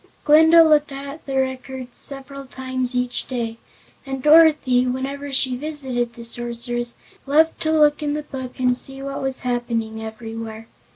Glinda looked at the records several times each day, and Dorothy, whenever she visited the Sorceress, loved to look in the Book and see what was happening everywhere.